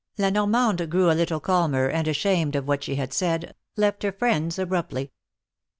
La Normande grew a little calmer, and ashamed of what she had said, left her friends abruptly.